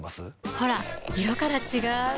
ほら色から違う！